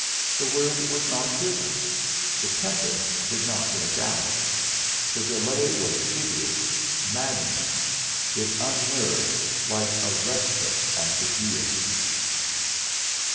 The word was not given; the tempest did not break out. The delay was hideous, maddening! It unnerved like a respite at the guillotine.